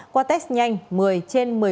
qua test nhanh một mươi trên một mươi bốn